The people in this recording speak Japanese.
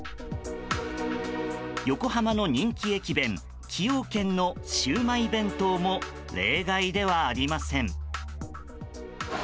横浜の人気駅弁崎陽軒のシウマイ弁当も例外ではありません。